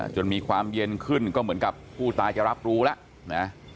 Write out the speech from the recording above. จนมีความเย็นขึ้นก็เหมือนกับผู้ตายจะรับรู้แล้วนะ